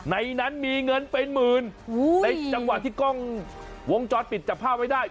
ในนั้นมีเงินเป็นหมื่นในจังหวะที่กล้องวงจรปิดจับภาพไว้ได้